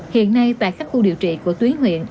hiện nay tại các khu điều trị của tuyến huyện